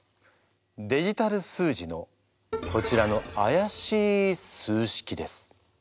デジタル数字のこちらのあやしい数式です。